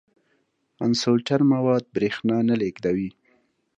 انسولټر مواد برېښنا نه لیږدوي.